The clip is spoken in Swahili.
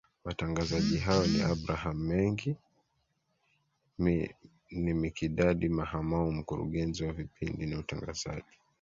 Watangazaji hao ni Abraham Mengi ni Mikidadi Mahamou Mkurugenzi wa Vipindi na Utangazaji